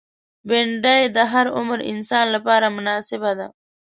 بېنډۍ د هر عمر انسان لپاره مناسبه ده